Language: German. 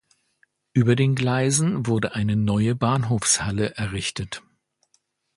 Über den Gleisen wurde eine neue Bahnhofshalle errichtet.